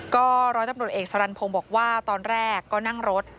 ก็ร้อยตำรวจเอกสรรพงศ์บอกว่าตอนแรกก็นั่งรถ